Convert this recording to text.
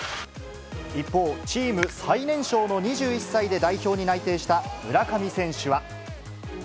一方、チーム最年少の２１歳で代表に内定した村上選手は。